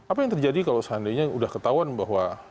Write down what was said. apa yang terjadi kalau seandainya sudah ketahuan bahwa